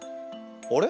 あれ？